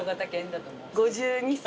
５２歳。